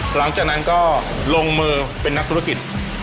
หลังจากนั้นก็ลงมือเป็นนักธุรกิจ